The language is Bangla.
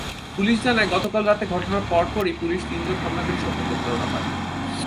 পুলিশ জানায়, গতকাল রাতে ঘটনার পরপরই পুলিশ তিনজন হামলাকারী সম্পর্কে ধারণা পায়।